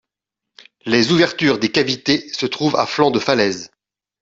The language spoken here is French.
Les ouvertures des cavités se trouvent à flanc de falaise.